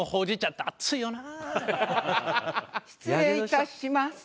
失礼いたします。